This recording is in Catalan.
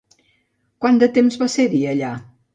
Quant de temps va ser-hi allà?